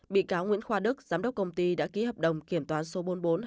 bị cáo nguyễn khoa đức giám đốc công ty đã ký hợp đồng kiểm toán số bốn mươi bốn hai nghìn hai mươi một